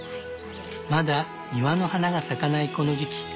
まだ庭の花が咲かないこの時期。